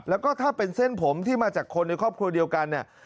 แล้วก็ถ้าเป็นเส้นผมที่มาจากคนในครอบครัวเดียวกันเนี่ย